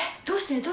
どうして？